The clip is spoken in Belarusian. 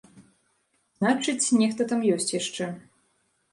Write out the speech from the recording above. Значыць, нехта там ёсць яшчэ.